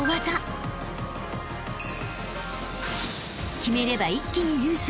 ［決めれば一気に］